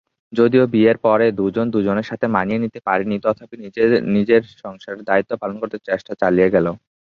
যদিও বিয়ের পরে দুজন-দুজনের সাথে মানিয়ে নিতে পারেনি, তথাপি নিজের নিজের সংসারের দায়িত্ব পালন করতে চেষ্টা চালিয়ে গেল।